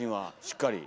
しっかり。